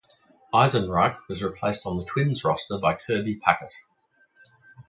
Eisenreich was replaced on the Twins roster by Kirby Puckett.